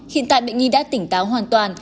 hiện tại bệnh nhi đã tỉnh táo hoàn toàn